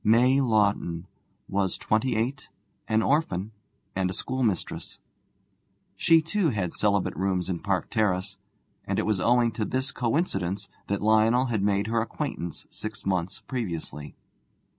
May Lawton was twenty eight, an orphan, and a schoolmistress. She, too, had celibate rooms in Park Terrace, and it was owing to this coincidence that Lionel had made her acquaintance six months previously.